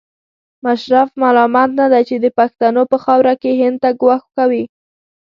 مشرف ملامت نه دی چې د پښتنو په خاوره کې هند ته ګواښ کوي.